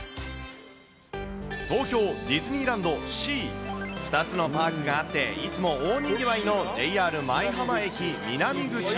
東京ディズニーランド・シー、２つのパークがあって、いつも大にぎわいのＪＲ舞浜駅南口。